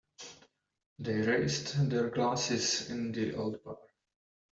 They raised their glasses in the old bar.